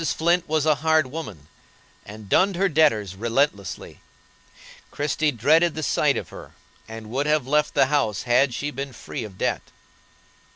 Flint was a hard woman, and dunned her debtors relentlessly; Christie dreaded the sight of her, and would have left the house had she been free of debt.